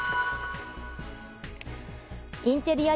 インテリア